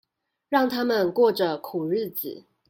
讓他們過著苦日子